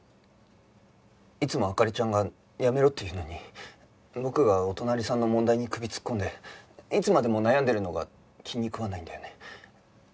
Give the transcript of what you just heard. いつも灯ちゃんがやめろって言うのに僕がお隣さんの問題に首突っ込んでいつまでも悩んでるのが気に食わないんだよね？